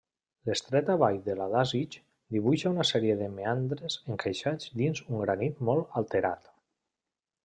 L'estreta vall de l'Adasig dibuixa una sèrie de meandres encaixats dins un granit molt alterat.